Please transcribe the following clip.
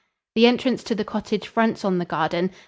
The entrance to the cottage fronts on the garden.